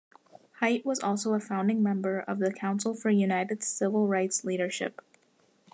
Height was also a founding member of the Council for United Civil Rights Leadership.